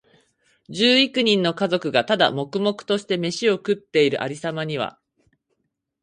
十幾人の家族が、ただ黙々としてめしを食っている有様には、